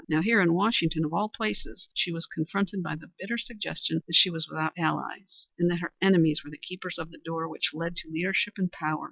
Now here, in Washington of all places, she was confronted by the bitter suggestion that she was without allies, and that her enemies were the keepers of the door which led to leadership and power.